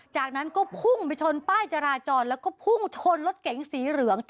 จากนั้นก็พุ่งไปชนป้ายจราจรแล้วก็พุ่งชนรถเก๋งสีเหลือง